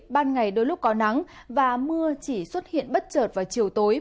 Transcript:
ban ngày đôi lúc có nắng và mưa chỉ xuất hiện bất chợt vào chiều tối